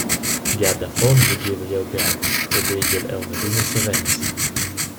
Gia d’affon legevel jeu bia e legel aunc adina savens.